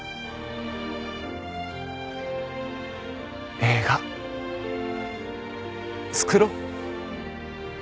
映画作ろう。